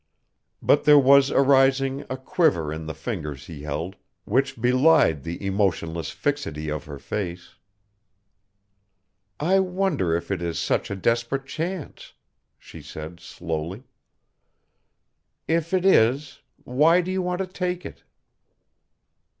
But there was arising a quiver in the fingers he held which belied the emotionless fixity of her face. "I wonder if it is such a desperate chance?" she said slowly. "If it is, why do you want to take it?"